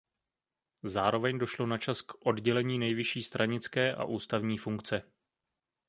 Zároveň došlo na čas k oddělení nejvyšší stranické a ústavní funkce.